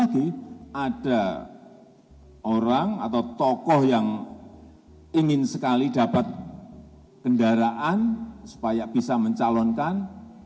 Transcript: lagi ada orang atau tokoh yang ingin sekali dapat kendaraan supaya bisa mencalonkan